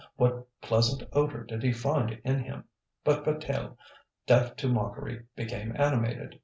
what pleasant odour did he find in him? But Bataille, deaf to mockery, became animated.